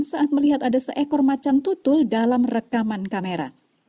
saat melihat ada seekor macan tutul dalam rekaman kamera